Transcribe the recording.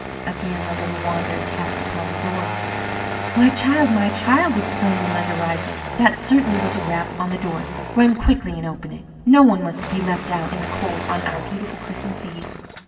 Again the little wanderer tapped upon the door. "My child, my child," exclaimed the mother, rising, "that certainly was a rap on the door. Run quickly and open it. No one must be left out in the cold on our beautiful Christmas Eve."